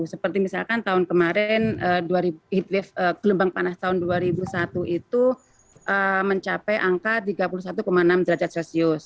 seperti misalkan tahun kemarin heat lift gelombang panas tahun dua ribu satu itu mencapai angka tiga puluh satu enam derajat celcius